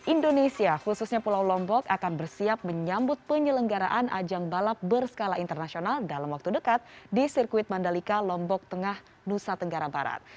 indonesia khususnya pulau lombok akan bersiap menyambut penyelenggaraan ajang balap berskala internasional dalam waktu dekat di sirkuit mandalika lombok tengah nusa tenggara barat